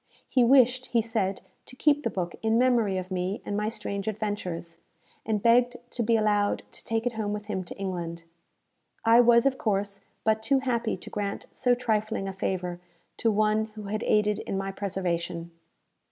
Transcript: He wished, he said, to keep the book in memory of me and my strange adventures, and begged to be allowed to take it home with him to England. I was, of course, but too happy to grant so trifling a favour to one who had aided in my preservation.